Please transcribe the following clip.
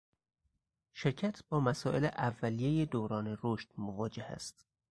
شرکت با مسایل اولیه دوران رشد مواجه است.